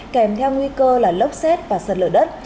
kèm theo nguy cơ là lốc xét và sật lở đất